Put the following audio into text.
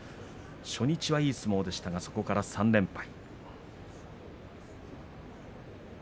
初日はいい相撲でしたがそこから３連敗。